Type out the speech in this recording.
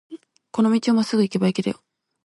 この道をまっすぐ行けば駅だよ。